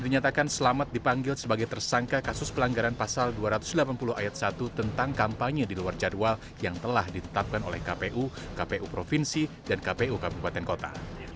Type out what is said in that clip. yang telah ditetapkan oleh kpu kpu provinsi dan kpu kabupaten kota